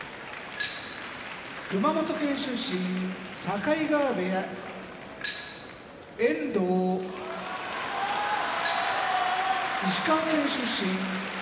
熊本県出身境川部屋遠藤石川県出身追手風部屋